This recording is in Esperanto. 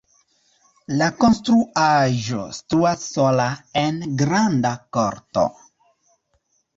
La konstruaĵo situas sola en granda korto.